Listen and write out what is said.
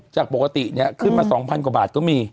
จากปกติเนี่ยขึ้นมา๒๐๐กว่าบาทก็มี